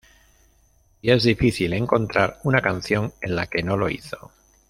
Y es difícil encontrar una canción en la que no lo hizo...